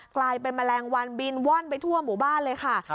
กลายเป็นแมลงวันบินว่อนไปทั่วหมู่บ้านเลยค่ะ